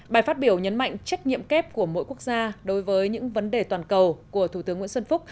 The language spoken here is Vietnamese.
bài phát biểu nhấn mạnh trách nhiệm kép của mỗi quốc gia đối với những vấn đề toàn cầu của thủ tướng nguyễn xuân phúc